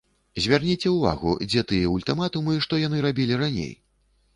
Звярніце ўвагу, дзе тыя ультыматумы, што яны рабілі раней.